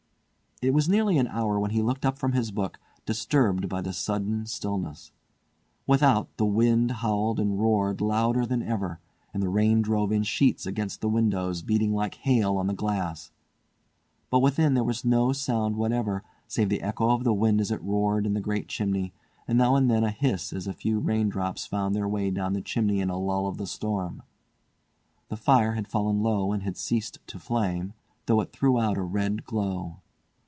It was nearly an hour when he looked up from his book, disturbed by the sudden stillness. Without, the wind howled and roared louder than ever, and the rain drove in sheets against the windows, beating like hail on the glass; but within there was no sound whatever save the echo of the wind as it roared in the great chimney, and now and then a hiss as a few raindrops found their way down the chimney in a lull of the storm. The fire had fallen low and had ceased to flame, though it threw out a red glow.